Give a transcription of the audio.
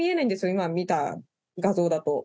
今見た画像だと。